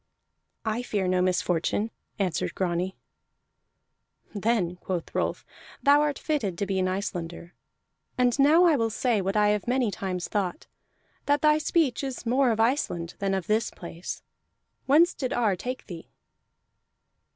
"I fear no misfortune," answered Grani. "Then," quoth Rolf, "thou art fitted to be an Icelander. And now I will say what I have many times thought: that thy speech is more of Iceland than of this place. Whence did Ar take thee?"